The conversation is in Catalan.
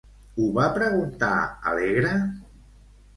Ho va preguntar alegre?